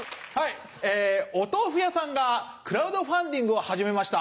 お豆腐屋さんがクラウドファンディングを始めました。